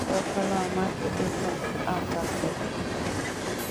কখনও আমাকে এই নামে আর ডাকবে না!